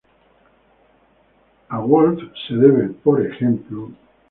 A Wolff se debe, p. ej.